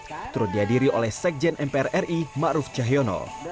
diturut dihadiri oleh sekjen mpr ri ma'ruf jahyono